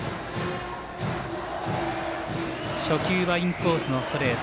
初球はインコースのストレート